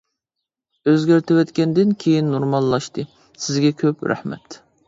ئۆزگەرتىۋەتكەندىن كىيىن نورماللاشتى، سىزگە كۆپ رەھمەت!